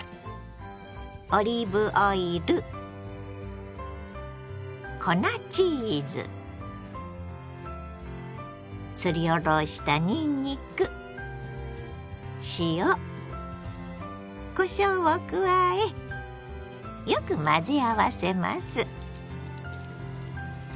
オリーブオイル粉チーズすりおろしたにんにく塩こしょうを加えよく混ぜ合わせます。